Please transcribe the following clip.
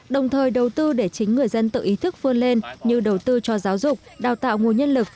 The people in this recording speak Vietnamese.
đồng thời đầu tư để chính người dân tự ý thức phương lên như đầu tư cho giáo dục đào tạo nguồn nhân lực